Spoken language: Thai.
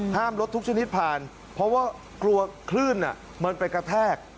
รถทุกชนิดผ่านเพราะว่ากลัวคลื่นมันไปกระแทก